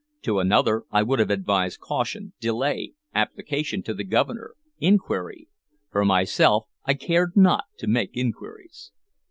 To another I would have advised caution, delay, application to the Governor, inquiry; for myself I cared not to make inquiries.